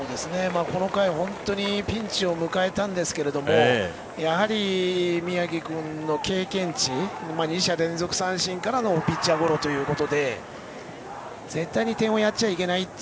この回、本当にピンチを迎えたんですけどやはり宮城君の経験値二者連続三振からのピッチャーゴロということで絶対に点をやっちゃいけない